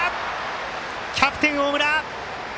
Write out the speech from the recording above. キャプテン、大村。